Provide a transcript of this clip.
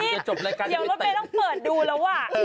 เดี๋ยวรถเบ้ต้องเปิดดูแล้วอะ